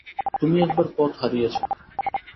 তুমি একবার পথ হারিয়েছ।